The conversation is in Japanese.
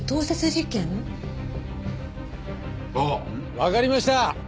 わかりました！